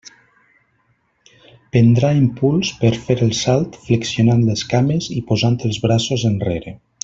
Prendrà impuls per fer el salt flexionant les cames i posant els braços enrere.